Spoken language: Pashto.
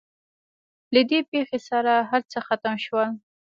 له دې پېښې سره هر څه ختم شول.